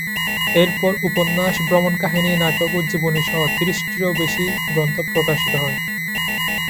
এরপর উপন্যাস, ভ্রমণকাহিনী, নাটক ও জীবনীসহ ত্রিশটিরও বেশি গ্রন্থ প্রকাশিত হয়।